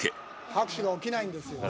「拍手が起きないんですよね」